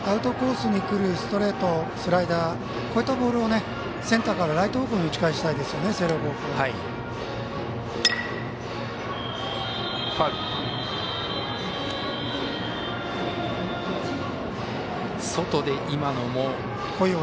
アウトコースにくるストレート、スライダーこういったボールをセンターからライト方向に打ち返したいですよね、星稜高校。